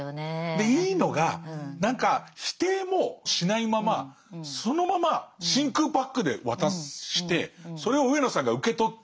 でいいのが何か否定もしないままそのまま真空パックで渡してそれを上野さんが受け取って。